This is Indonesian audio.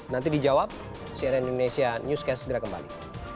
nanti dijawab cnn indonesia newscast segera kembali